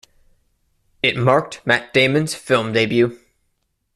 It marked Matt Damon's film debut.